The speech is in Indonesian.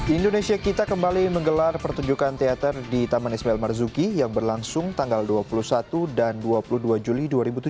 indonesia kita kembali menggelar pertunjukan teater di taman ismail marzuki yang berlangsung tanggal dua puluh satu dan dua puluh dua juli dua ribu tujuh belas